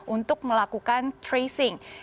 untuk melakukan tracing